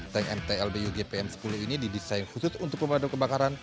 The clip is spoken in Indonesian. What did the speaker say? tank mtlbu gpm sepuluh ini didesain khusus untuk pemadam kebakaran